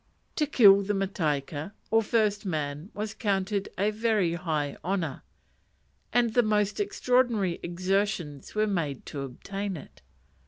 To kill the mataika, or first man, was counted a very high honour, and the most extraordinary exertions were made to obtain it.